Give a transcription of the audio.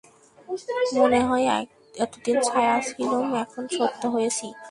মনে হয়, এতদিন ছায়া ছিলুম, এখন সত্য হয়েছি।